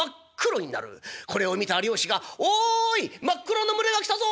これを見た漁師が『おい真っ黒の群れが来たぞ！